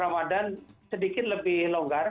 ramadan sedikit lebih longgar